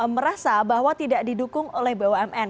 merasa bahwa tidak didukung oleh bumn